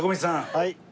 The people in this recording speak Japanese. はい。